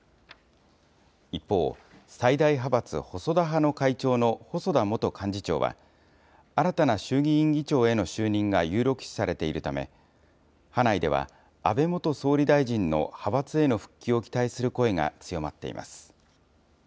一方、最大派閥、細田派の会長の細田元幹事長は、新たな衆議院議長への就任が有力視されているため、派内では、安倍元総理大臣の派閥への復帰を期待する声が強まっています。